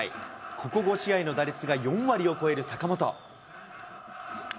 ここ５試合の打率が４割を超える坂本。